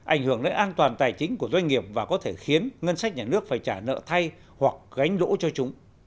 ảnh hưởng đến an toàn tài chính của doanh nghiệp và có thể khiến ngân sách nhà nước phải trả nợ thay hoặc gánh lỗ cho chúng